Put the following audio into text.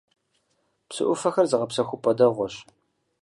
Псы Ӏуфэхэр зыгъэпсэхупӀэ дэгъуэщ.